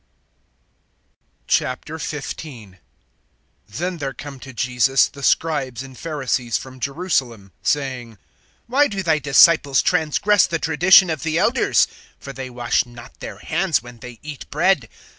XV. THEN there come to Jesus the scribes and Pharisees from Jerusalem, saying: (2)Why do thy disciples transgress the tradition of the elders? For they wash not their hands when they eat bread.